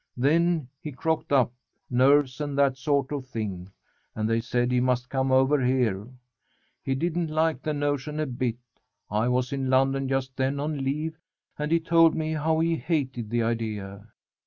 Then he crocked up, nerves and that sort of thing. And they said he must come over here. He didn't like the notion a bit. I was in London just then on leave, and he told me how he hated the idea."